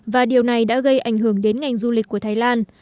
và điều này đã gây ảnh hưởng đến ngành du lịch của thái lan